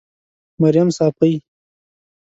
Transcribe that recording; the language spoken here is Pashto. مريم صافۍ